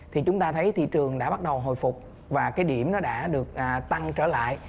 thì chúng ta thấy thị trường đã bắt đầu hồi phục và điểm đã được tăng trở lại